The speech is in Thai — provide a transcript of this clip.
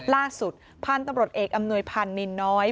ล่าสุดพันธุ์ตำรวจเอกอำนวยพันธ์นินน้อย